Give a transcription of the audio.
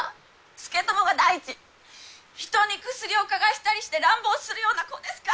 佐智が第一人に薬を嗅がせたりして乱暴するような子ですか！